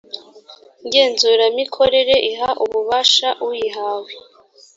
ngenzuramikorere iha ububasha uyihawe